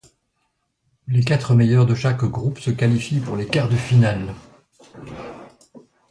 Les quatre meilleurs de chaque groupe se qualifient pour les quarts de finale.